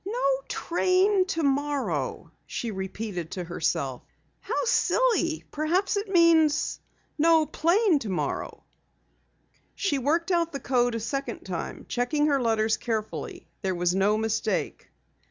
"No train tomorrow," she repeated to herself. "How silly! Perhaps it means, no plane tomorrow." She worked out the code a second time, checking her letters carefully. There was no mistake.